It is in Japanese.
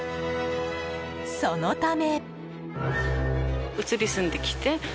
そのため。